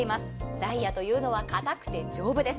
ダイヤというのは硬くて丈夫です。